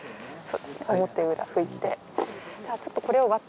表裏拭いて。